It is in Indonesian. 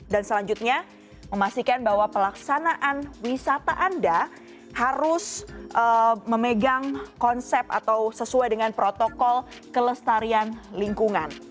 dan selanjutnya memastikan bahwa pelaksanaan wisata anda harus memegang konsep atau sesuai dengan protokol kelestarian lingkungan